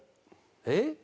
えっ？